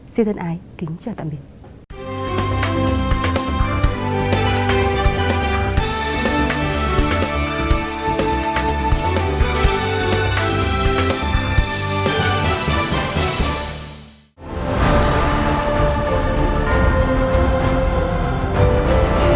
xin thân ai kính chào tạm biệt